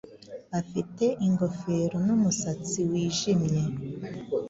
afite ingofero numusatsi wijimye